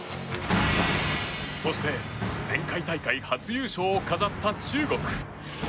そして、前回大会初優勝を飾った中国。